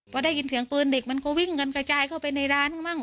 พอได้ยินเสียงปืนเด็กมันก็วิ่งกันกระจายเข้าไปในร้านมั่ง